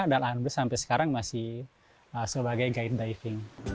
dan sampai sekarang masih sebagai guide diving